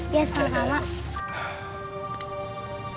biar sama sama